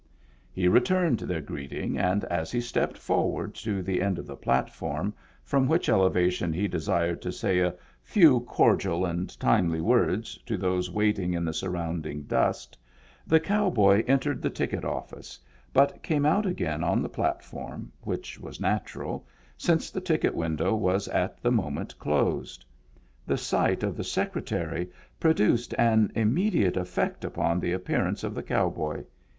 He returned their greet ing, and as he stepped forward to the end of the platform from which elevation he desired to say a few cordial and timely words to those waiting in the surrounding dust, the cow boy entered the ticket office, but came out again on the platform, which was natural, since the ticket window was at the moment closed. The sight of the Secre tary produced an immediate effect upon the ap pearance of the cow boy.